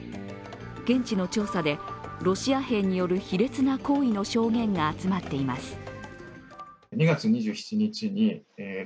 現地の調査で、ロシア兵による卑劣な行為の証言が集まっています。